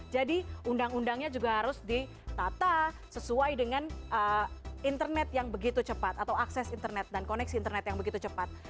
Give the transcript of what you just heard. jadi undang undangnya juga harus ditata sesuai dengan internet yang begitu cepat atau akses internet dan koneksi internet yang begitu cepat